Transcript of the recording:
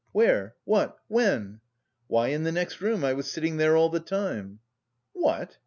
"Where? What? When?" "Why, in the next room. I was sitting there all the time." "What?